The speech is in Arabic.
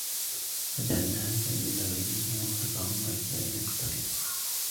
فَجَعَلْنَاهَا نَكَالًا لِمَا بَيْنَ يَدَيْهَا وَمَا خَلْفَهَا وَمَوْعِظَةً لِلْمُتَّقِينَ